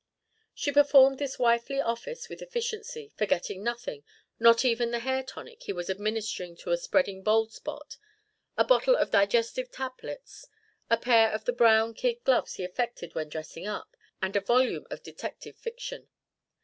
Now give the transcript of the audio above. She performed this wifely office with efficiency, forgetting nothing, not even the hair tonic he was administering to a spreading bald spot, a bottle of digestive tablets, a pair of the brown kid gloves he affected when dressed up, and a volume of detective fiction.